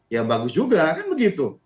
ya bagus juga kan begitu